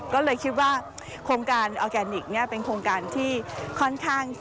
ก็เลยคิดว่าโครงการออร์แกนิคเป็นโครงการที่ค่อนข้าง